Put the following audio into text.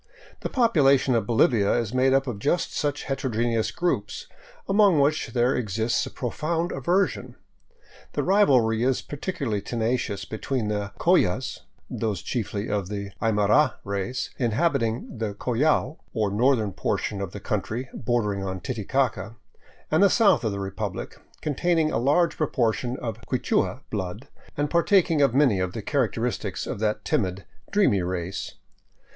The population of Bolivia is made up of just such heterogeneous groups, among which there exists a profound aver sion. The rivalry is particularly tenacious between the Collas, those, chiefly of the Aymara race, inhabiting the Collao, or northern portion of the country bordering on Titicaca, and the south of the republic, containing a large proportion of Quichua blood and partaking of many of the characteristics of that timid, dreamy race.